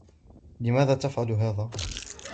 لماذا تفعل هذا ؟